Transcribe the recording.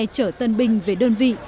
chở tân binh về đơn vị